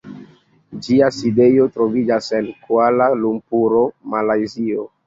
Ĝia sidejo troviĝas en Kuala-Lumpuro, Malajzio.